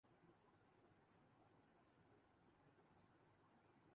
Muhammad Salah professional footballers association player the year کا award لے اڑے